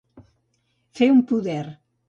Fer un poder.